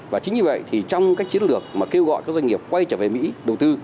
và chính vì vậy thì trong các chiến lược mà kêu gọi các doanh nghiệp quay trở về mỹ đầu tư